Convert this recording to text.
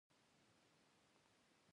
مخې ته یې یوه غرفه ایښې وه.